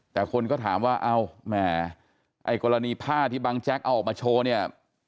แต่คนก็ถามว่าเอ้าแหมไอ้กรณีผ้าที่บังแจ๊กเอาออกมาโชว์เนี่ย